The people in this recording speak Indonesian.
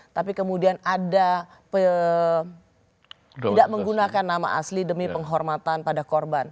tapi kemudian ada tidak menggunakan nama asli demi penghormatan pada korban